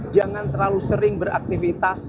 jangan terlalu sering beraktivitas